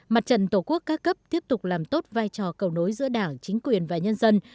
mặt trận tổ quốc ca cấp tiếp tục làm tốt vai trò cầu nối giữa đảng chính quyền và nhân dân